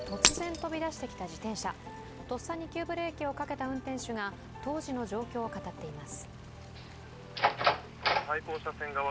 とっさに急ブレーキをかけた運転手が当時の状況を語っています。